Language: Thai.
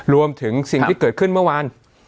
รวมถึงสิ่งที่เกิดขึ้นเมื่อวาน